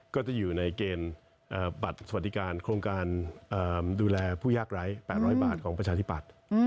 ก็จะอยู่ในเกณฑ์บัตรสวัสดิการโครงการดูแลผู้ยากไร้๘๐๐บาทของประชาธิปัตย์